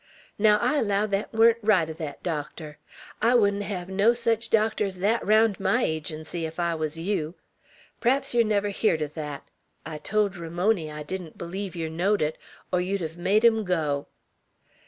Naow I allow thet wa'n't right eh thet docter. I wouldn't hev no sech docter's thet raound my Agency, ef I wuz yeow. Pr'aps yer never heered uv thet. I told Ramony I didn't bleeve yer knowed it, or ye'd hev made him go."